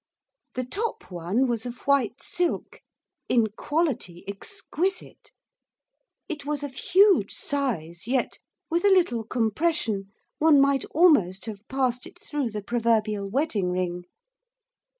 The top one was of white silk, in quality, exquisite. It was of huge size, yet, with a little compression, one might almost have passed it through the proverbial wedding ring.